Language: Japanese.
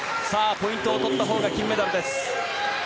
ポイントを取ったほうが金メダルです。